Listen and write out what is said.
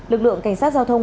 lực lượng cảnh sát giao thông